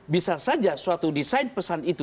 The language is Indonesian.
bisa saja suatu desain pesan itu